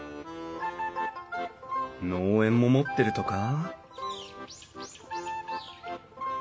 農園も持ってるとか？